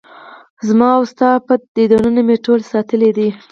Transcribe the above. زما وستا پټ دیدنونه مې ټول ساتلي دي